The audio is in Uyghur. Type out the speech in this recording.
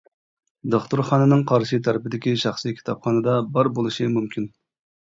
دوختۇرخانىنىڭ قارشى تەرىپىدىكى شەخسى كىتابخانىدا بار بولۇشى مۇمكىن.